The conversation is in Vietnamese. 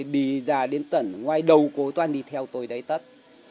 đi ra đến tận ngoài đầu cô toàn đi theo tôi đấy tất